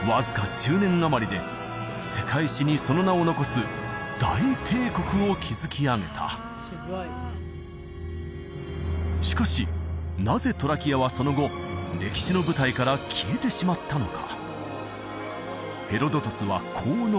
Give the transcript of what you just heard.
１０年あまりで世界史にその名を残す大帝国を築き上げたしかしなぜトラキアはその後歴史の舞台から消えてしまったのか？